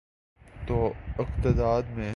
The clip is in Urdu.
تو اقتدار میں۔